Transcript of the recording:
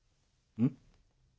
うん？